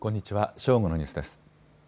正午のニュースです。